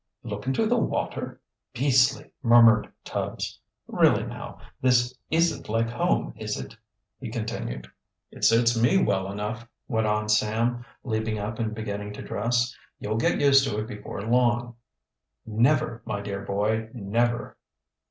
"Look into the water? Beastly!" murmured Tubbs. "Really now, this isn't like home, is it"? he continued. "It suits me well enough," went on Sam, leaping up and beginning to dress. "You'll get used to it before long." "Never, my dear boy, never!"